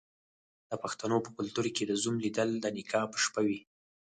د پښتنو په کلتور کې د زوم لیدل د نکاح په شپه وي.